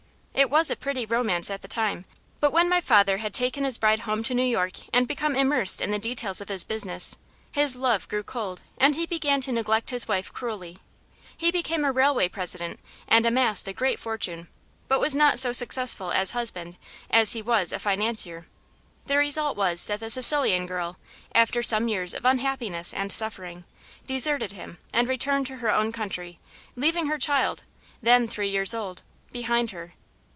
It was a pretty romance at the time, but when my father had taken his bride home to New York and became immersed in the details of his business, his love grew cold and he began to neglect his wife cruelly. He became a railway president and amassed a great fortune, but was not so successful a husband as he was a financier. The result was that the Sicilian girl, after some years of unhappiness and suffering, deserted him and returned to her own country, leaving her child, then three years old, behind her.